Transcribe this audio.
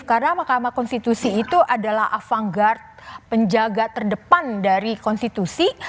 karena mahkamah konstitusi itu adalah avant garde penjaga terdepan dari konstitusi